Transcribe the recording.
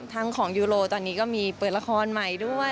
ของยูโรตอนนี้ก็มีเปิดละครใหม่ด้วย